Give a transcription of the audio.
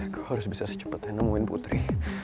kau harus bisa secepatnya nemuin putri